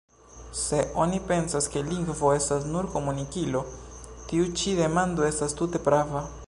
Se oni pensas, ke lingvo estas nur komunikilo, tiu ĉi demando estas tute prava.